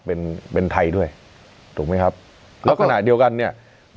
เป็นไทยด้วย